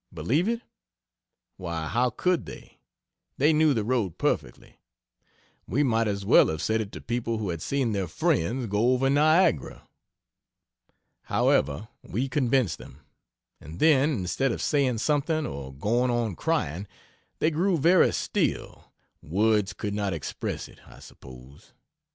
Believe it? Why how could they? They knew the road perfectly. We might as well have said it to people who had seen their friends go over Niagara. However, we convinced them; and then, instead of saying something, or going on crying, they grew very still words could not express it, I suppose.